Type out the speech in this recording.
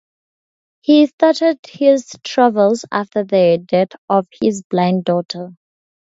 He started his travels after the death of his blind daughter.